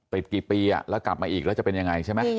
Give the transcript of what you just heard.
ติดกี่ปีแล้วกลับมาอีกแล้วจะเป็นยังไงใช่ไหม